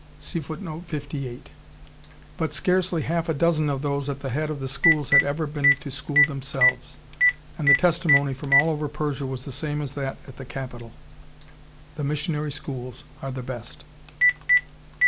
But scarcely half a dozen of those at the head of the schools had ever been to school themselves, and the testimony from all over Persia was the same as that at the capital, "The missionary schools are the best."